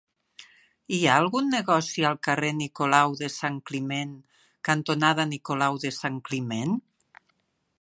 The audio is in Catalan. Hi ha algun negoci al carrer Nicolau de Sant Climent cantonada Nicolau de Sant Climent?